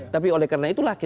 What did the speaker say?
tapi oleh karena itulah